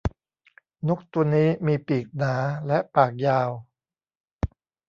นกตัวนี้มีปีกหนา และปากยาว